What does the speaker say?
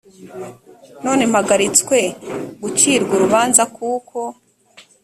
none mpagaritswe gucirwa urubanza kuko